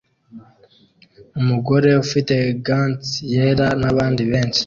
Umugore ufite gants yera nabandi benshi